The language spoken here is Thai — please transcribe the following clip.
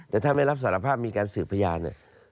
แต่ถ้าไม่รับสารภาพมีการสืบพยาน